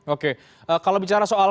oke kalau bicara soal